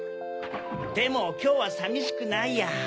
でもきょうはさみしくないや！